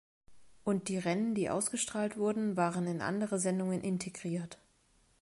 Und die Rennen, die ausgestrahlt wurden, waren in andere Sendungen integriert.